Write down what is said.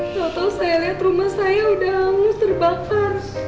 tau tau saya liat rumah saya udah hamus terbakar